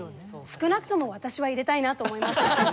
少なくとも私は入れたいなと思います。